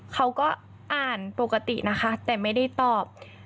เขาก็อ่านปกตินะคะแต่ไม่ได้ตอบ